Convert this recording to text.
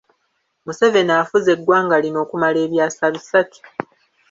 Museveni afuze eggwanga lino okumala ebyasa bisatu.